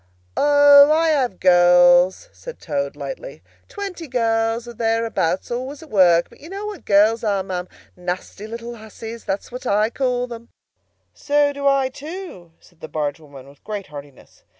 "O, I have girls," said Toad lightly: "twenty girls or thereabouts, always at work. But you know what girls are, ma'am! Nasty little hussies, that's what I call 'em!" "So do I, too," said the barge woman with great heartiness.